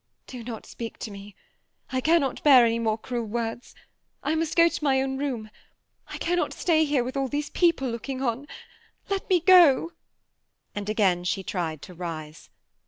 ^ Do not speak to me, I cannot bear an7 more cmel words. I must go to m7 own room, I cannot sta7 here with all these people looking on. Let me go " and again she tried to rise.